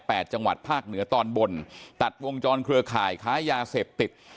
จังหวัดภาคเหนือตอนบนตัดวงจรเครือข่ายค้ายาเสพติด